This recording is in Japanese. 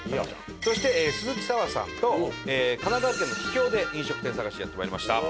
そして鈴木砂羽さんと神奈川県の秘境で飲食店探しやってまいりました。